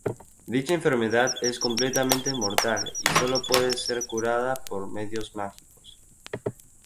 Dicha enfermedad es completamente mortal y solo puede ser curada por medios mágicos.